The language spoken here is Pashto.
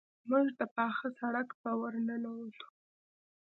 موږ د پاخه سړک په ورننوتو.